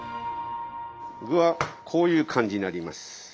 具はこういう感じになります。